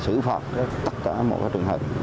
xử phạt tất cả mọi cái trường hợp